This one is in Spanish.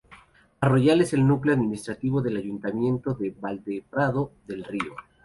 Arroyal es el núcleo administrativo del ayuntamiento de Valdeprado del Río.